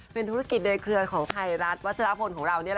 เป็นธุรกิจโดยเครือของไทยรัฐวัชรพลของเรา